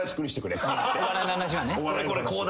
お笑いの話は。